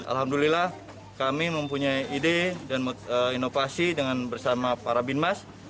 alhamdulillah kami mempunyai ide dan inovasi bersama para binmas